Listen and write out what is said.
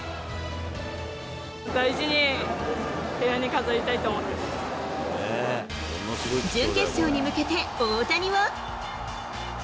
大事に、部屋に飾りたいと思準決勝に向けて、大谷は。